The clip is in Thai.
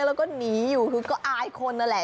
แล้วก็หนีอยู่คือก็อายคนนั่นแหละ